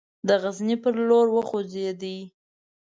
د غزني پر لور وخوځېدی.